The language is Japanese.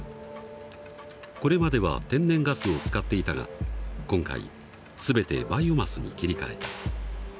これまでは天然ガスを使っていたが今回全てバイオマスに切り替えた。